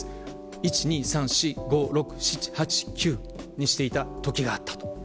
１２３４５６７８９にしていた時があったと。